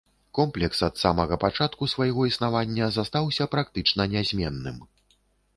Комплекс, ад самага пачатку свайго існавання, застаўся практычна нязменным.